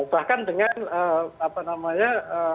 bahkan dengan apa namanya